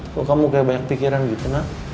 kok kamu kayak banyak pikiran gitu nak